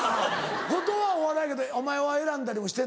後藤はお笑いやけどお前は選んだりもしてる？